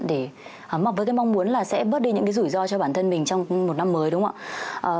để mặc với cái mong muốn là sẽ bớt đi những cái rủi ro cho bản thân mình trong một năm mới đúng không ạ